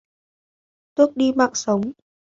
tước đi mạng sống